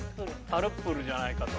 タルップルじゃないかと。